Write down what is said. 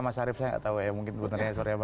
mas arief saya nggak tahu ya mungkin sebenarnya